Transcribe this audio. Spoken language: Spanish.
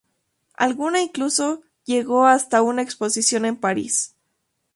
Alguna incluso llegó hasta una exposición en París.